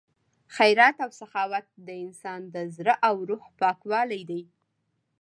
خیرات او سخاوت د انسان د زړه او روح پاکوالی دی.